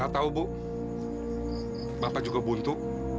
tahu bu bapak juga buntu